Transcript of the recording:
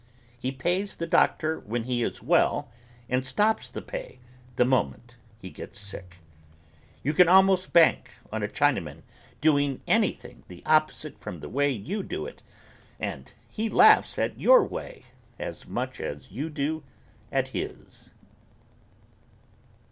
He pays the doctor when he is well and stops the pay the moment he gets sick. You can almost bank on a Chinaman doing anything the opposite from the way you do it and he laughs at your way as much as you do at his.